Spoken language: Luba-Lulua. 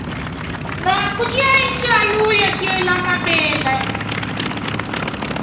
Nuaku tshiayi tshia luya tshiela mabele.